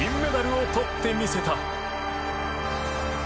を取ってみせた。